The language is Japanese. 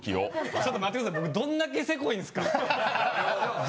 ちょっと待ってください、僕どんだけせこいんですか。